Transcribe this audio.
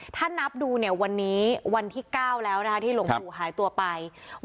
ถ้านับดูเนี่ยวันนี้วันที่๙แล้วนะคะที่หลวงปู่หายตัวไป